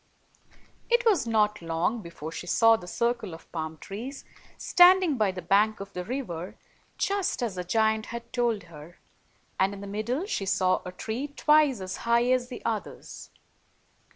It was not long before she saw the circle of palm trees, standing by the bank of the river, just as the giant had told her; and in the middle she saw a tree twice as high as the others.